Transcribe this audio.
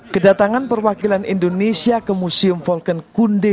kedatangan perwakilan indonesia ke museum volken kunde